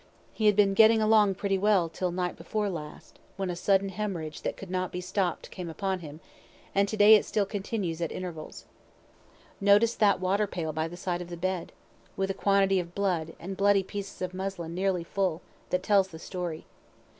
He had been getting along pretty well till night before last, when a sudden hemorrhage that could not be stopt came upon him, and to day it still continues at intervals. Notice that water pail by the side of the bed, with a quantity of blood and bloody pieces of muslin, nearly full; that tells the story.